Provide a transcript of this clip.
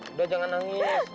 udah jangan nangis